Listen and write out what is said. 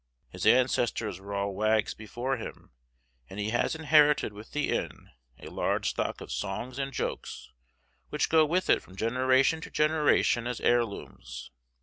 His ancestors were all wags before him, and he has inherited with the inn a large stock of songs and jokes, which go with it from generation to generation as heirlooms.